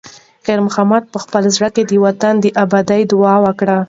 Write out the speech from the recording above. خیر محمد په خپل زړه کې د وطن د ابادۍ دعا وکړه.